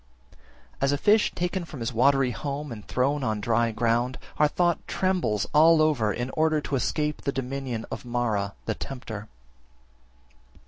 34. As a fish taken from his watery home and thrown on dry ground, our thought trembles all over in order to escape the dominion of Mara (the tempter).